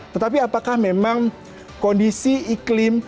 tetapi apakah memang kondisi iklim